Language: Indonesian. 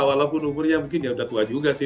walaupun umurnya mungkin ya udah tua juga sih